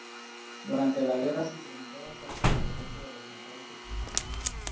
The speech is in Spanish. Durante la guerra se incrementó bastante la potencia de los motores de pistones.